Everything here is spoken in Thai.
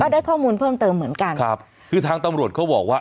ได้ข้อมูลเพิ่มเติมเหมือนกันครับคือทางตำรวจเขาบอกว่า